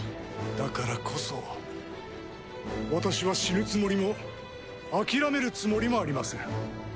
だからこそ私は死ぬつもりも諦めるつもりもありません。